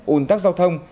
ủn tắc giao thông